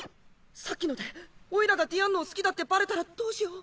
さっきのでおいらがディアンヌを好きだってバレたらどうしよう？